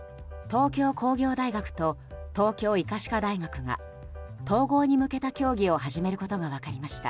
東京工業大学と東京医科歯科大学が統合に向けた協議を始めることが分かりました。